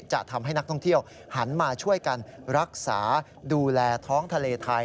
จะทำให้นักท่องเที่ยวหันมาช่วยกันรักษาดูแลท้องทะเลไทย